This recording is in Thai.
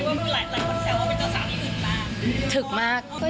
หลายคนแซวว่าเป็นเจ้าสาวที่ถึกล่ะ